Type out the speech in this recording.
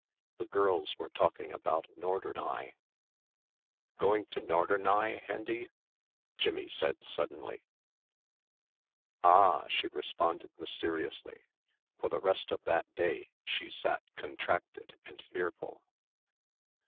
The girls were talking about "Norderney." "Going to Norderney, Hendy?" Jimmie said suddenly. "Ah!" she responded mysteriously. For the rest of that day she sat contracted and fearful.